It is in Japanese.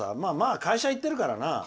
会社行ってるからな。